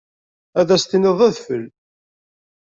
Ad as-tiniḍ d adfel.